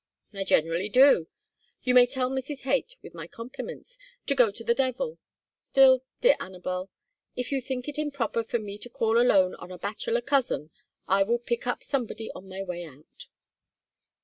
"I generally do. You may tell Mrs. Haight, with my compliments, to go to the devil! Still, dear Anabel, if you think it improper for me to call alone on a bachelor cousin, I will pick up somebody on my way out."